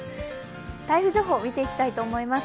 台風情報見ていきたいと思います。